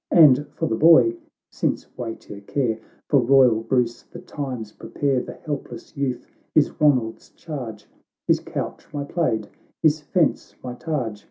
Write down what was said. And for the boy — since weightier care For royal Bruce the times prepare, The helpless youth is Ronald's charge, His couch my plaid, his fence my targe."